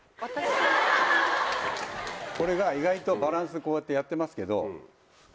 これが意外とバランスこうやってやってますけど。